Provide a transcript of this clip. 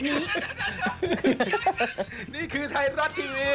นี่คือไทรอร์ททีมี